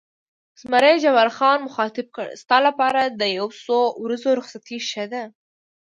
زمري جبار خان مخاطب کړ: ستا لپاره د یو څو ورځو رخصتي ښه ده.